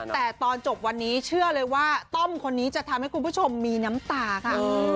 แต่ตอนจบวันนี้เชื่อเลยว่าต้อมคนนี้จะทำให้คุณผู้ชมมีน้ำตาค่ะ